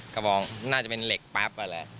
กระบองน่าจะเป็นเหล็กแป๊บอะแหละ